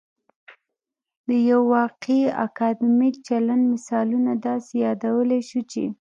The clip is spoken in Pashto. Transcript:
د یو واقعي اکادمیک چلند مثالونه داسې يادولای شو چې